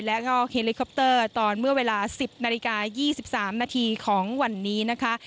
แล้วก็เฮลิคอปเตอร์ตอนเมื่อเวลา๑๐นาฬิกา๒๓นาทีของวันนี้นะคะ